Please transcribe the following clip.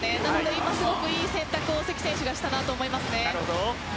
今、すごくいい選択をしたなと思いますね。